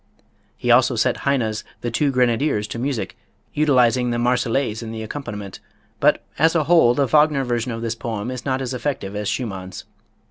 He also set Heine's "The Two Grenadiers" to music, utilizing the "Marsellaise" in the accompaniment; but, as a whole, the Wagner version of this poem is not as effective as Schumann's.